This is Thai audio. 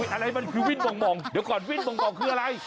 อะไรมันคือวิ่นมองเดี๋ยวก่อนวิ่นมองคืออะไร